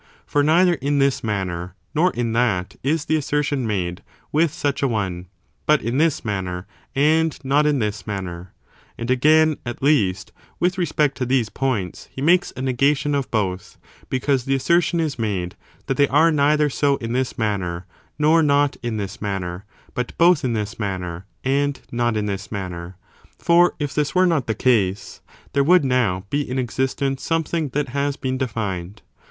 For neither in this manner nor in that is the assertion made with such a one, but in this manner and not in this manner. And again, at least, with respect to these points he makes a negation of both, because the assertion is made that they are neither so in this manner nor not in this manner, but both in this manner and not in this manner ; for, if this were not the case, there would now be in existence something that has been defined.